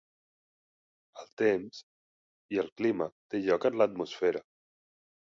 El temps, i el clima té lloc en l'atmosfera.